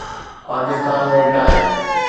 Pakistan ۾ tie